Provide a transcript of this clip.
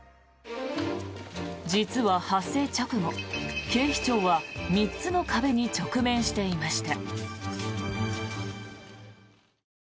実は発生直後、警視庁は３つの壁に直面していました。